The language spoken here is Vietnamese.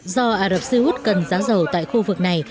do ả rập xê út cần giá dầu tại khu vực này